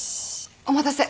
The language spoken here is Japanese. お待たせ。